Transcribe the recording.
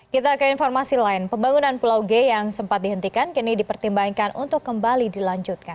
kita ke informasi lain pembangunan pulau g yang sempat dihentikan kini dipertimbangkan untuk kembali dilanjutkan